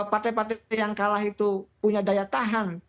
partai partai yang kalah itu punya daya tahan